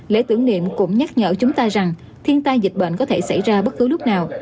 lễ tưởng niệm cũng nhắc nhở chúng ta rằng thiên tai dịch bệnh có thể xảy ra bất cứ lúc nào